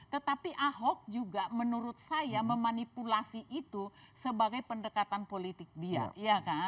tetapi ahok juga menurut saya memanipulasi itu sebagai pendekatan politik dia